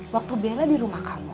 waktu bela di rumah kamu